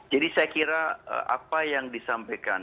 jadi saya kira apa yang disampaikan